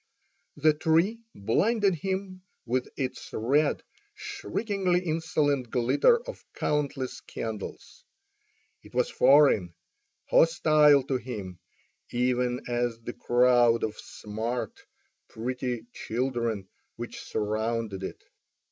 The tree blinded him with its red, shriekingly insolent glitter of countless candles. It was foreign, hostile to him, even as the crowd of smart, pretty children which surrounded it.